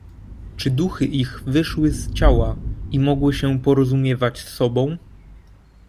"Czy duchy ich wyszły z ciała i mogły się porozumiewać z sobą."